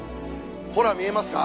ほら見えますか？